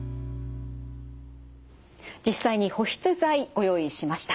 実際に保湿剤ご用意しました。